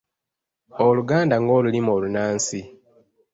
Oluganda ng'olulimi olunnansi.